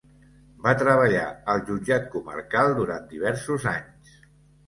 Va treballar al jutjat comarcal durant diversos anys.